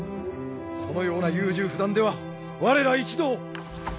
そのような優柔不断では我ら一同。